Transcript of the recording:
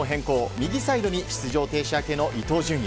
右サイドに出場停止明けの伊東純也。